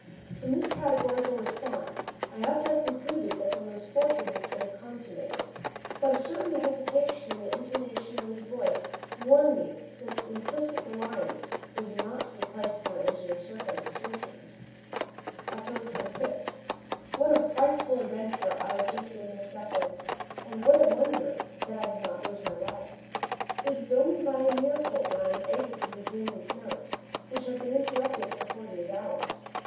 From this categorical response I ought to have concluded that the misfortune had been consummated, but a certain hesitation in the intonation of his voice warned me that implicit reliance was not to be placed upon Engineer Serko's assertions. October 25. What a frightful adventure I have just been mixed up in, and what a wonder I did not lose my life! It is only by a miracle that I am able to resume these notes, which have been interrupted for forty eight hours.